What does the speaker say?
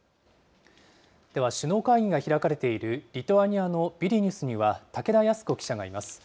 では首脳会議が開かれているリトアニアのビリニュスには竹田恭子記者がいます。